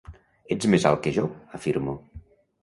Ets més alt que jo, afirmo.